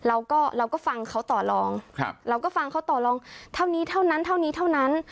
เราก็เราก็ฟังเขาต่อลองครับเราก็ฟังเขาต่อลองเท่านี้เท่านั้นเท่านี้เท่านั้น